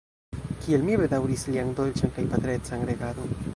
Kiel mi bedaŭris lian dolĉan kaj patrecan regadon!